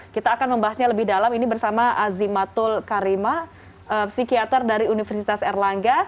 kita akan membahasnya lebih dalam ini bersama azimatul karima psikiater dari universitas erlangga